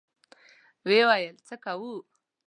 ويې ويل: څه کوو؟